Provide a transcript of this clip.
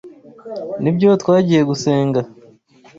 Nibyo twagiye gusenga